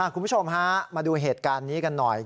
คุณผู้ชมฮะมาดูเหตุการณ์นี้กันหน่อย